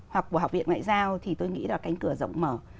hoặc của học viện ngoại giao thì tôi nghĩ là cánh cửa rộng mở